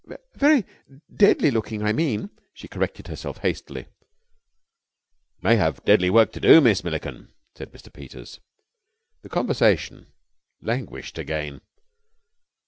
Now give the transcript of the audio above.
"Very deadly looking, I meant," she corrected herself hastily. "It may have deadly work to do, Miss Milliken," said Mr. Peters. Conversation languished again.